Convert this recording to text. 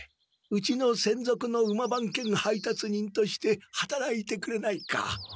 うちの専属の馬番兼配達人としてはたらいてくれないか？